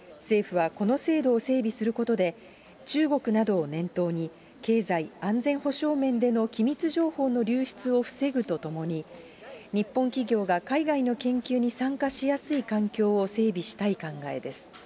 政府はこの制度を整備することで、中国などを念頭に、経済・安全保障面での機密情報の流出を防ぐとともに、日本企業が海外の研究に参加しやすい環境を整備したい考えです。